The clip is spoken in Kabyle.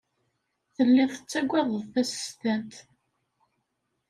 Telliḍ tettgeḍ tasestant.